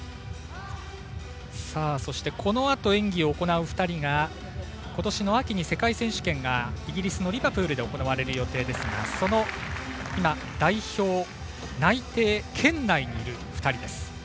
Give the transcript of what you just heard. そしてこのあと演技を行う２人が今年の秋に世界選手権がイギリスのリバプールで行われる予定ですがその代表内定圏内にいる２人です。